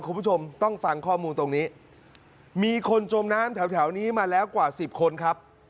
คุณผู้ชมต้องฟังข้อมูลตรงนี้มีคนจมน้ำแถวแถวนี้มาแล้วกว่าสิบคนครับ